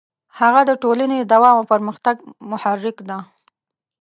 هڅه د ټولنې د دوام او پرمختګ محرک ده.